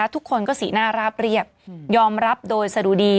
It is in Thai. ทุกคนก็สีหน้าราบเรียบยอมรับโดยสะดุดี